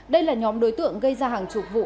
đây là nhóm đối tượng gây ra hàng chục vụ